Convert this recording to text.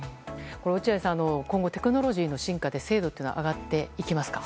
落合さん、今後テクノロジーの進化で精度は上がっていきますか。